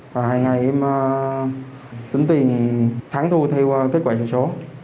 hai ngày em tính tiền thắng thua theo kết quả trong số